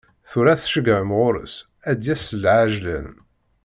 Tura ad tceyyɛem ɣur-s ad d-yas s lɛejlan.